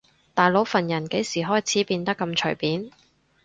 大佬份人幾時開始變得咁隨便